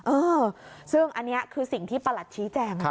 เออซึ่งอันนี้คือสิ่งที่ประหลัดชี้แจง